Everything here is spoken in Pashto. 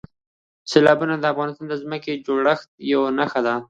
سیلابونه د افغانستان د ځمکې د جوړښت یوه نښه ده.